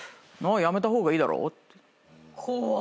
やめた方がいいだろ」